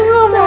aku gak mau